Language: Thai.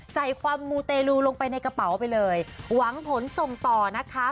ใส่ความมูเตลูลงไปในกระเป๋าไปเลยหวังผลส่งต่อนะคะ